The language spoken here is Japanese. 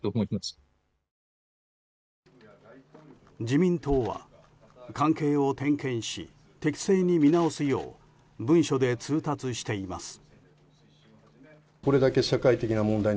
自民党は関係を点検し適正に見直すよう文書で通達しています。